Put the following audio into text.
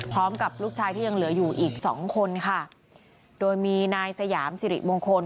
พร้อมกับลูกชายที่ยังเหลืออยู่อีกสองคนค่ะโดยมีนายสยามสิริมงคล